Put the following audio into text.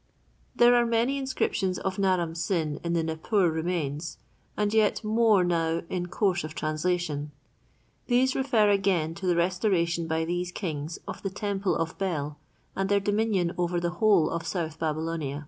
There are many inscriptions of Naram Sin in the Nippur remains, and yet more now in course of translation. These refer again to the restoration by these kings of the temple of Bel and their dominion over the whole of South Babylonia.